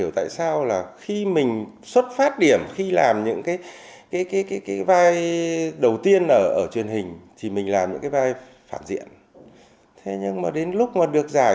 tại sao mình lại làm được cái điều đấy